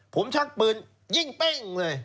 ผมชักปืนยิงเป้งเลย